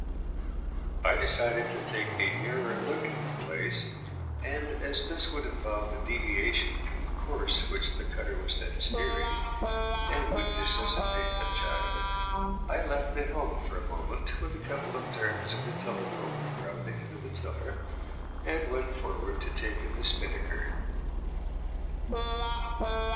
I decided to take a nearer look at the place, and as this would involve a deviation from the course which the cutter was then steering, and would necessitate a jibe, I left the helm for a moment with a couple of turns of the tiller rope round the head of the tiller, and went forward to take in the spinnaker.